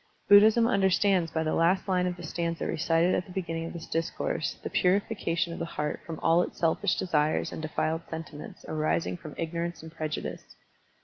Buddhism understands by the last line of the stanza recited at the beginning of this discourse the purification of the heart from all its selfish desires and defiled sentiments arising from ignorance and prejudice.